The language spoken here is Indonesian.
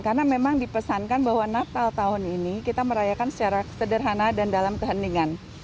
karena memang dipesankan bahwa natal tahun ini kita merayakan secara sederhana dan dalam keheningan